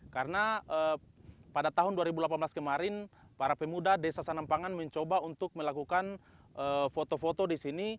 karena pada tahun dua ribu delapan belas kemarin para pemuda desa sandang pangan mencoba untuk melakukan foto foto di sini